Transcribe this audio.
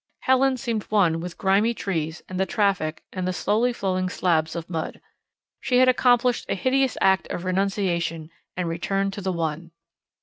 Helen seemed one with grimy trees and the traffic and the slowly flowing slabs of mud. She had accomplished a hideous act of renunciation and returned to the One.